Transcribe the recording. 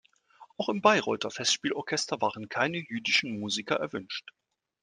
Auch im Bayreuther Festspiel-Orchester waren keine jüdischen Musiker erwünscht.